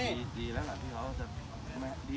ดีดีแล้วเหรอพี่พี่เราไม่ให้พี่ปิดไหนก็มี